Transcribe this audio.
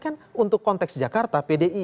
kan untuk konteks jakarta pdi